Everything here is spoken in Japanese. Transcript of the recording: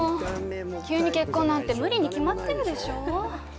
急に結婚なんて無理に決まってるでしょ